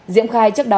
diễm khai trước đó